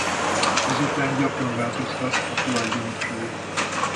Ezután gyakran változtak a tulajdonosai.